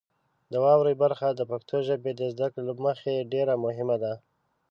د واورئ برخه د پښتو ژبې د زده کړې له مخې ډیره مهمه ده.